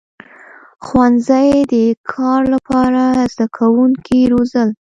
• ښوونځي د کار لپاره زدهکوونکي روزل.